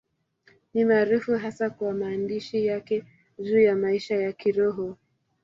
Ni maarufu hasa kwa maandishi yake juu ya maisha ya Kiroho.